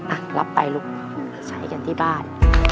อ่ะรับไปลูกใช้กันที่บ้าน